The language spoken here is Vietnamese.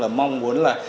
là mong muốn là